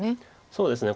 そうですね